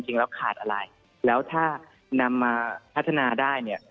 เราขาดอะไรแล้วถ้านำมาพัฒนาได้เนี่ย